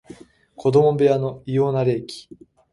子供部屋の異様な冷気